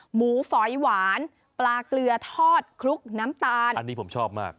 หมูฝอยหวานปลาเกลือทอดคลุกน้ำตาลอันนี้ผมชอบมาก